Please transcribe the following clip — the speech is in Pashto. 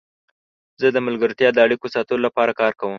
زه د ملګرتیا د اړیکو ساتلو لپاره کار کوم.